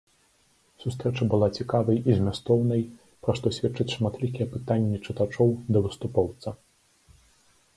Сустрэча была цікавай і змястоўнай, пра што сведчаць шматлікія пытанні чытачоў да выступоўца.